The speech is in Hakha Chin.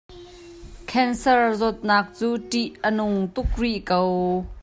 Khensar zawtnak cu ṭih a nung tuk rih ko.